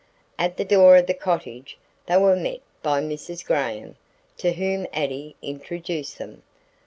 At the door of the cottage, they were met by Mrs. Graham, to whom Addie introduced them.